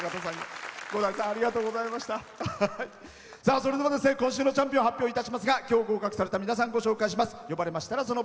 それでは今週のチャンピオンを発表いたしますがきょう合格された皆さん発表します。